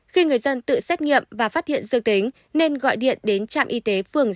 khi người dân tự xét nghiệm và phát hiện dương tính nên gọi điện đến trạm y tế phường